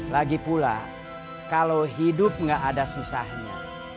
lagipula kalau hidup gak ada susahnya